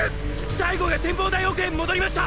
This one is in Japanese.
大吾が展望台奥へ戻りました！